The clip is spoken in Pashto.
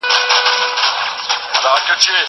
زه به اوږده موده د کتابتوننۍ سره مرسته کړې وم!